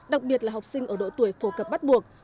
đặc biệt là học sinh ở độ tuổi phổ cập bắt buộc